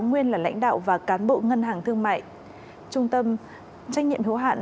nguyên là lãnh đạo và cán bộ ngân hàng thương mại trung tâm trách nhiệm hữu hạn